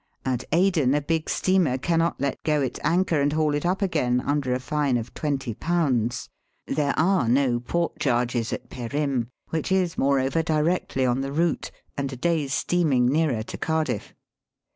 At Aden a big steamer cannot let go its anchor and haul it up again under a fine of J620. There are no port charges at Perim, which is, moreover, directly on the route, and a day's steaming nearer to Cardiff.